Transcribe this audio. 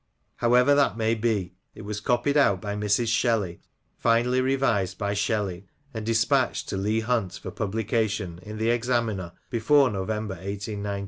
However that may be, it was copied out by Mrs. Shelley, finally revised by Shelley, and despatched to Leigh Hunt for publica tion in The Examiner ^ before November 18 19.